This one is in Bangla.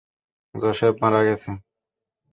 জোসেফ মারা গেছে।